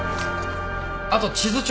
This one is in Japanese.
あと地図帳。